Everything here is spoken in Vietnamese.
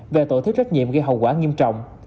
về tội thiếu trách nhiệm gây hậu quả nghiêm trọng